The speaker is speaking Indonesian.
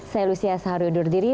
saya lucia sahari undur diri